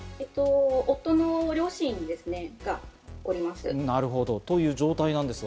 夫の両親がおります。